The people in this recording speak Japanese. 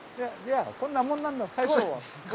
こんなもんなんだ最初は。